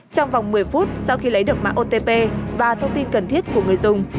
trong vòng một mươi phút sau khi lấy được mạng otp và thông tin cần thiết của người dùng